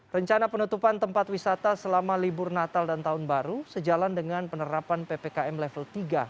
rencana penutupan tempat wisata selama libur natal dan tahun baru sejalan dengan penerapan ppkm level tiga